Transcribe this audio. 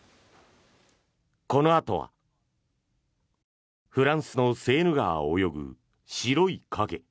このあとはフランスのセーヌ川を泳ぐ白い影。